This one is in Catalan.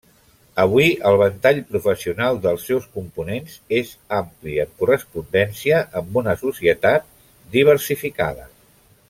Avui, el ventall professional dels seus components és ampli, en correspondència amb una societat diversificada.